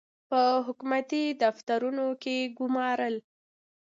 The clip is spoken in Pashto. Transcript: په حکومتي دفترونو کې ګومارل.